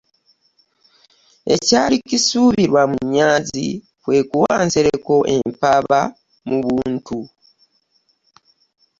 Ekyali kisuubirwa mu Nyanzi kwe kuwa Nsereko empaaba mu buntu